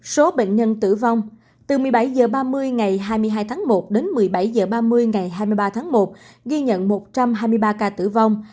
số bệnh nhân tử vong từ một mươi bảy h ba mươi ngày hai mươi hai tháng một đến một mươi bảy h ba mươi ngày hai mươi ba tháng một ghi nhận một trăm hai mươi ba ca tử vong